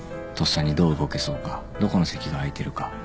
とっさにどう動けそうかどこの席が空いてるか。